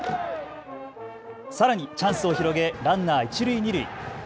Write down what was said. さらにチャンスを広げランナー一塁二塁。